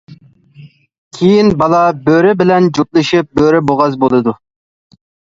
كېيىن بالا بۆرە بىلەن جۈپلىشىپ، بۆرە بوغاز بولىدۇ.